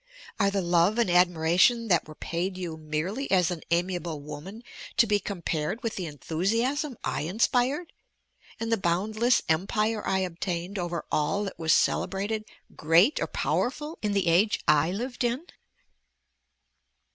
Are the love and admiration that were paid you merely as an amiable woman to be compared with the enthusiasm I inspired, and the boundless empire I obtained over all that was celebrated, great, or powerful in the age I lived in?